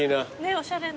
おしゃれな。